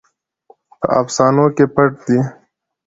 په افسانو کې پټ دی.